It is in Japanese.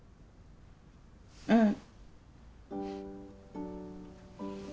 うん。